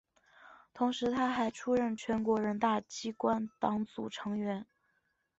同时她还出任全国人大机关党组成员。